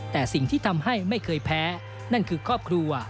แต่สิ่งที่ทำให้ไม่เคยแพ้นั่นคือครอบครัว